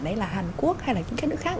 hay là hàn quốc hay là những cái nữ khác